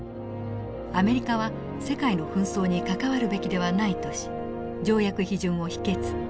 「アメリカは世界の紛争に関わるべきではない」とし条約批准を否決。